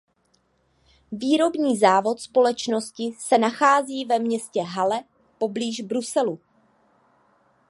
Výrobní závod společnosti se nachází ve městě Halle poblíž Bruselu.